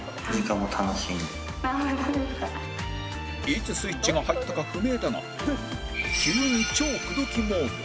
いつスイッチが入ったか不明だが急に超口説きモード